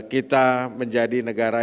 kita menjadi negara